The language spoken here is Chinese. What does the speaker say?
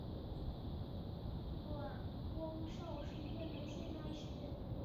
阮光韶是越南现代诗人。